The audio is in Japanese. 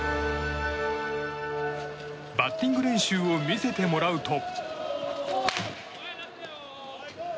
バッティング練習を見せてもらうと。